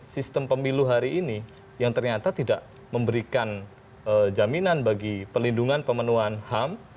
sistem pemilu hari ini yang ternyata tidak memberikan jaminan bagi pelindungan pemenuhan ham